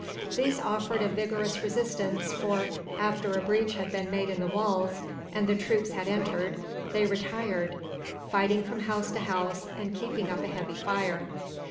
These offered a vigorous resistance for, after a breach had been made in the walls, and the troops had entered, they retired; fighting from house to house, and keeping up a heavy fire.